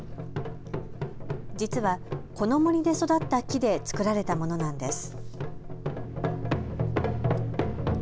実はこの森で育った木で作られたものなんです。